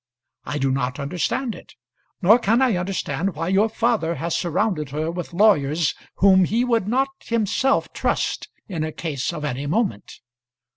I do not understand it; nor can I understand why your father has surrounded her with lawyers whom he would not himself trust in a case of any moment.